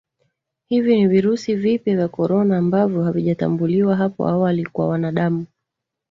Hivi ni virusi vipya vya korona ambavyo havijatambuliwa hapo awali kwa wanadamu